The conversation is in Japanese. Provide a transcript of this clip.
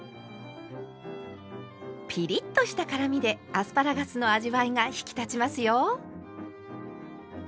ピリッとした辛みでアスパラガスの味わいが引き立ちますよ。